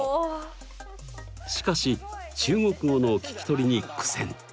しかし中国語の聞き取りに苦戦！